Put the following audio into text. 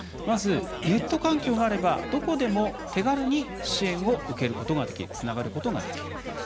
まず、ネット環境があればどこでも手軽に支援を受けることができるつながることができる。